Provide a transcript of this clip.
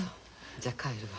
じゃ帰るわ。